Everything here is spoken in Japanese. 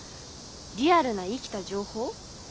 リアルな生きた情報？